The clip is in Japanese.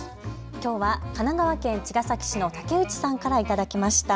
きょうは神奈川県茅ヶ崎市の竹内さんから頂きました。